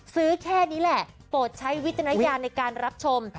แค่นี้แหละโปรดใช้วิจารณญาณในการรับชม